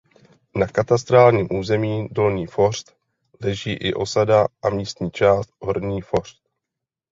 Na katastrálním území "Dolní Fořt" leží i osada a místní část Horní Fořt.